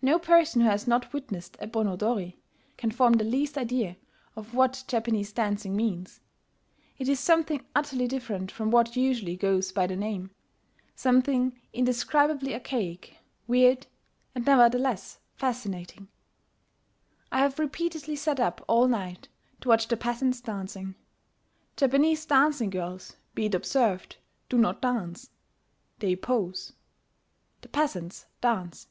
No person who has not witnessed a Bon odori can form the least idea of what Japanese dancing means: it is something utterly different from what usually goes by the name, something indescribably archaic, weird, and nevertheless fascinating. I have repeatedly sat up all night to watch the peasants dancing. Japanese dancing girls, be it observed, do not dance: they pose. The peasants dance.